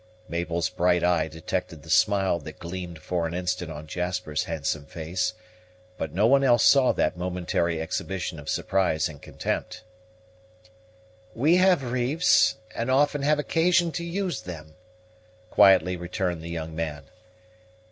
Mabel's bright eye detected the smile that gleamed for an instant on Jasper's handsome face; but no one else saw that momentary exhibition of surprise and contempt. "We have reefs, and often have occasion to use them," quietly returned the young man.